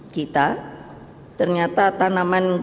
kita ternyata tanaman gandumnya